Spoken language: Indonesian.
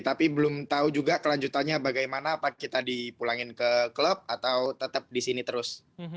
tapi belum tahu juga kelanjutannya bagaimana kita dipulangin ke klub atau tetap di sini terus